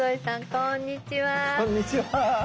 こんにちは。